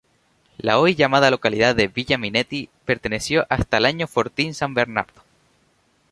La hoy llamada localidad de Villa Minetti, perteneció hasta el año Fortín San Bernardo.